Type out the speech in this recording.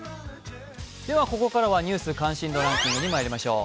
ここからは「ニュース関心度ランキング」にまいりましょう。